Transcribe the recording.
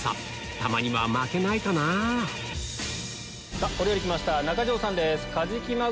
たまには負けないかなぁお料理来ました中条さんです。